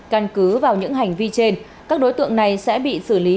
căn cứ vào những hành vi trên các đối tượng này sẽ bị xử lý